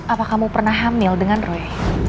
apa kamu pernah hamil dengan roy